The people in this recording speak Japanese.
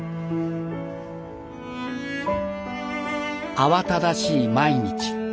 慌ただしい毎日。